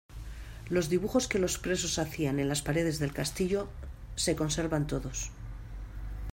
Los dibujos que los presos hacían en las paredes del castillo se conservan todos.